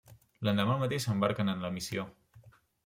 L'endemà al matí s'embarquen en la missió.